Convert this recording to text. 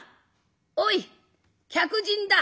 おい客人だ。